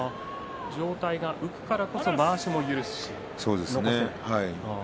上体が浮くからこそまわしも許すし残せない。